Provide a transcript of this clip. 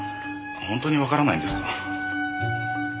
本当にわからないんですか？